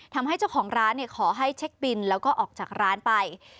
ทำให้เจ้าของร้านขอให้เช็คบินแล้วก็ออกจากร้านไป